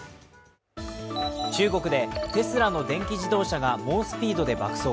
中国でテスラの電気自動車が猛スピードで爆走。